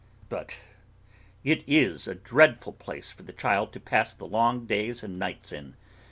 But it is a dreadful place for the child to pass the long days and nights in.